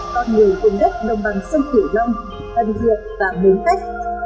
con người cùng đất đồng bằng sân thủy lông tầm thược và bốn tách